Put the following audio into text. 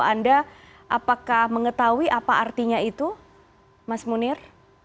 anda apakah mengetahui apa artinya itu mas munir